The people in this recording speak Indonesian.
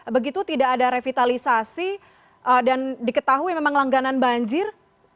begitu tidak ada revitalisasi dan diketahui memang langganan banjir